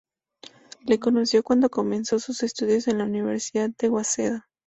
Le conoció cuando comenzó sus estudios en la Universidad de Waseda.